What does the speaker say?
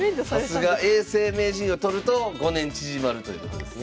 さすが永世名人を取ると５年縮まるということですね。